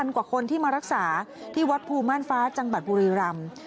กว่าคนที่มารักษาที่วัดภูม่านฟ้าจังหวัดบุรีรำ